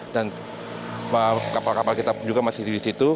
dan kapal kapal kita juga masih di situ